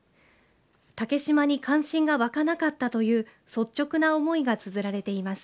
竹島に関心がわかなかったという率直な思いがつづられています。